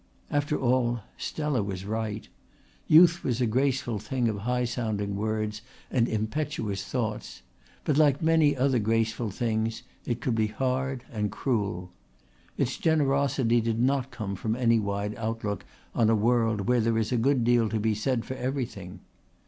After all, Stella was right. Youth was a graceful thing of high sounding words and impetuous thoughts, but like many other graceful things it could be hard and cruel. Its generosity did not come from any wide outlook on a world where there is a good deal to be said for everything.